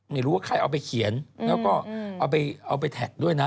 ไม่รู้ว่าใครเอาไปเขียนแล้วก็เอาไปแท็กด้วยนะ